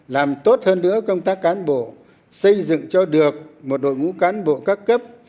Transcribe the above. làm tốt hơn nữa công tác cán bộ xây dựng cho được một đội ngũ cán bộ các cấp